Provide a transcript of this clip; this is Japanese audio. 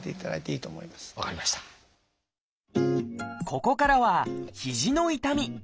ここからは「肘の痛み」。